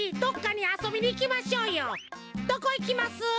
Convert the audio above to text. どこいきます？